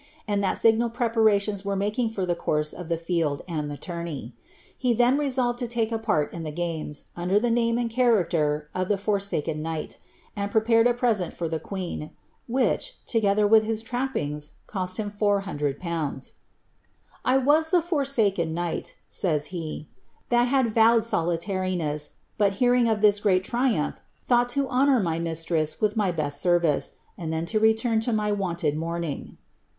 and that signal preparations were making for the course of the field and the tourney. He then resolved 10 lake a part in the games, under the aame BLIIABETH. 141 ind ehaxmcter of the ^ forsaken knight,^' and prepared a present for the [ueen, which, together with his trappings, cost him four hundred KNinfls.* ^ I was the forsaken knight,'' says he, ^ that had vowed solitariness, nt hearing of this great triumph, thought to honour my mistress with ay best sendee, and then to return to my wonted mourning.''